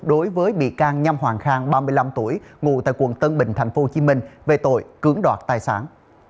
đối với bị can nhăm hoàng khang ba mươi năm tuổi ngụ tại quận tân bình tp hcm về tội cưỡng đoạt tài sản